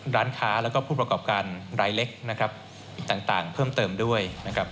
ร้านค้าและผู้ประกอบการใดเล็กต่างเพิ่มเติมด้วย